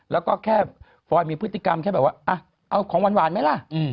แล้วก็แค่ฟอยมีพฤติกรรมแค่แบบว่าเอาของหวานไหมล่ะ